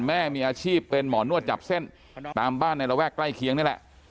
แม่มีอาชีพเป็นหมอนวดจับเส้นตามบ้านในระแวกใกล้เคียงนี่แหละ